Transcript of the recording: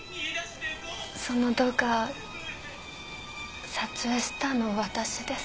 その動画撮影したの私です。